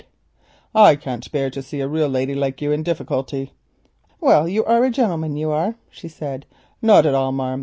"I can't bear to see a real lady like you in difficulty." "Well, you are a gentleman, you are," she said. "Not at all, marm.